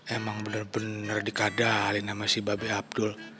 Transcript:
emang bener bener dikadalin sama si babe abdul